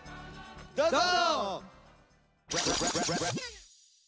どうぞ。